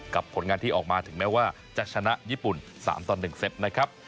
ผลงานที่ออกมาถึงแม้ว่าจะชนะญี่ปุ่น๓ต่อ๑เซตนะครับ